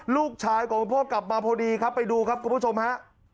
ลูกชายของคุณพ่อกลับมาพอดีครับไปดูครับคุณผู้ชมฮะ